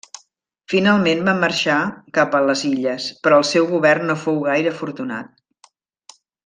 Finalment va marxar cap a les illes, però el seu govern no fou gaire afortunat.